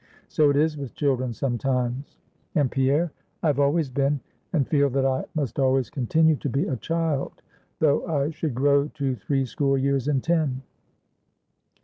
So it is with children, sometimes. And, Pierre, I have always been, and feel that I must always continue to be a child, though I should grow to three score years and ten.